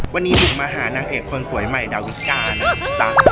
วันนี้บุ๋มมาหานางเอกคนสวยใหม่ดาวิกานะจ๊ะ